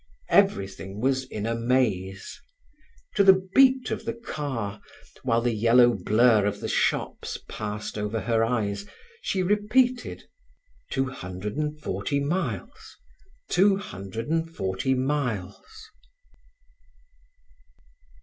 Everything was in a maze. To the beat of the car, while the yellow blur of the shops passed over her eyes, she repeated: "Two hundred and forty miles—two hundred and forty miles."